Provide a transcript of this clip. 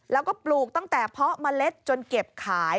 แล้วก็ปลูกตั้งแต่เพาะเมล็ดจนเก็บขาย